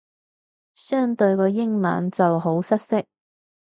相對個英文就好失色